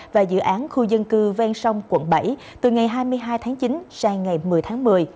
và dự án khu dân cư ven sông quận bảy từ ngày hai mươi hai tháng chín sang ngày một mươi tháng một mươi